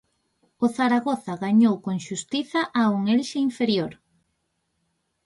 O Zaragoza gañou con xustiza a un Elxe inferior.